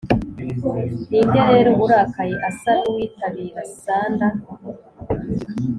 ninde rero urakaye, asa nuwitabira sunder,